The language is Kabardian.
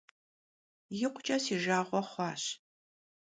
Yikhuç'e si jjağue xhuaş.